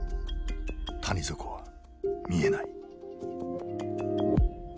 谷底は見えない。